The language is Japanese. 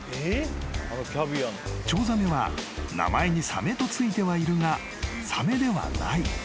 ［チョウザメは名前にサメと付いてはいるがサメではない］